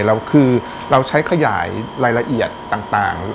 เราใช้ขยายรายละเอียดต่าง